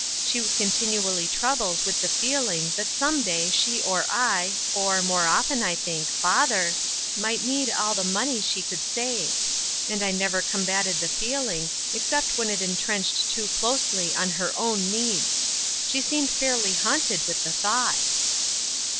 She was continually troubled with the feeling that some day she or I, or — more often, I think — father^ might need all the money she could save ; and I jiever combated the feeling, except when it in trenched too closely on her own needs. She seemed fairly haunted with the thought."